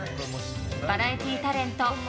バラエティータレント。